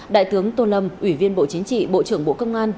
đại tướng tô lâm ủy viên bộ chính trị bộ trưởng bộ công an